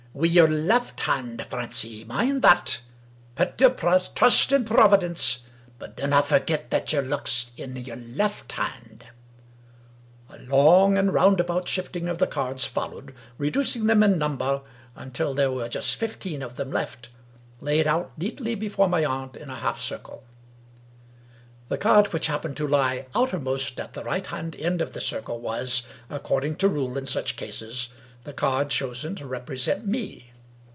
" Wi' yer left hand, Francie. Mind that ! Pet your trust in Proavidence — but dinna forget that your luck's in yer left hand !" A long and roundabout shifting of the cards followed, reducing them in number until there were just fifteen of them left, laid out neatly before my aunt in a half circle. The card which happened to lie outermost, at the right hand end of the circle, was, according to rule in such cases, the card chosen to represent Me.